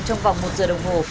trong vòng một giờ đồng hồ